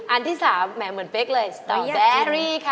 อันที่สามเหมือนเฟคเลยสตรอแบร์รีค่ะ